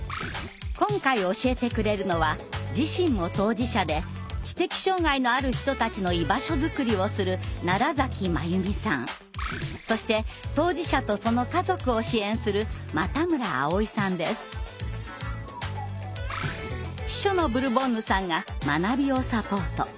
今回教えてくれるのは自身も当事者で知的障害のある人たちの居場所づくりをするそして当事者とその家族を支援する秘書のブルボンヌさんが学びをサポート。